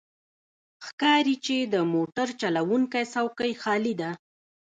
ښکاري چې د موټر چلوونکی څوکۍ خالي ده.